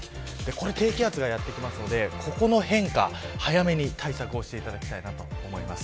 低気圧がやってきますのでここの変化、早めに対策をしていただきたいと思います。